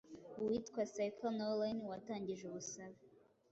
uwitwa Saiqa Noreen watangije ubusabe